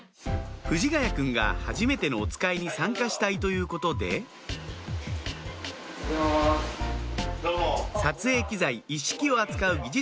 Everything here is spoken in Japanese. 藤ヶ谷君がはじめてのおつかいに参加したいということで撮影機材一式を扱う技術